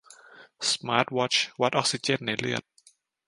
สมาร์ตวอตช์วัดออกซิเจนในเลือด